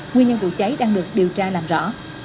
nguyên nhân vụ cháy đang được điều tra làm rõ